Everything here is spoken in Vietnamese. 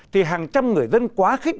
thì hàng trăm người dân quá khích